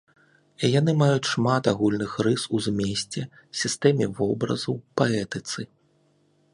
Яны маюць шмат агульных рыс у змесце, сістэме вобразаў, паэтыцы.